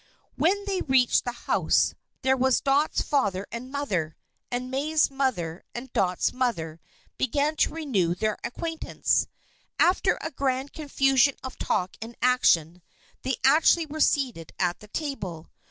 When they reached the house, there were Dot's father and mother; and May's mother and Dot's mother began to renew their acquaintance. After a grand confusion of talk and action, they actually were seated at the table.